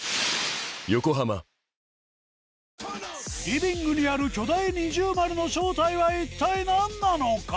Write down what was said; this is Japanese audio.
リビングにある巨大二重丸の正体は一体何なのか？